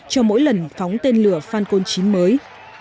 cho mỗi lần phóng tên lửa falcon chín mới